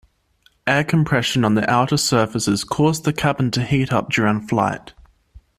Air compression on the outer surfaces caused the cabin to heat up during flight.